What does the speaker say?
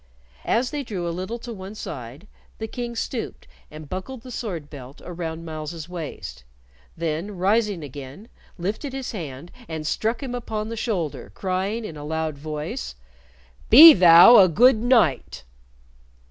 As they drew a little to one side, the King stooped and buckled the sword belt around Myles's waist, then, rising again, lifted his hand and struck him upon the shoulder, crying, in a loud voice. "Be thou a good knight!"